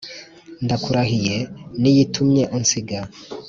ndakurahiye niyo itumye unsiga"